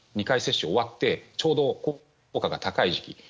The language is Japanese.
２回接種が終わってちょうど効果が高い時期。